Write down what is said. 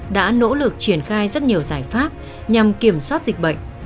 đã nỗ lực triển khai rất nhiều giải pháp nhằm kiểm soát dịch bệnh